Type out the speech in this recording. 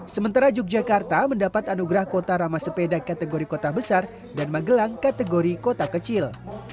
sementara yogyakarta mendapat anugerah kota ramah sepeda kategori kota besar dan magelang kategori kota kecil